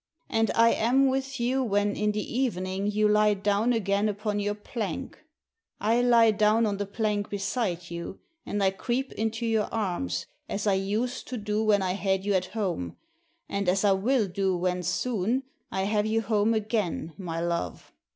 And I am with you when, in the evening, you lie down again upon your plank. I lie down on the plank beside you, and I creep into your arms as I used to do when I had you at home, and as I will do when, soon, I have you home again, my love.